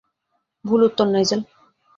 ভুল উত্তর, নাইজেল।